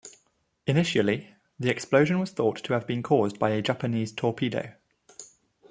Initially, the explosion was thought to have been caused by a Japanese torpedo.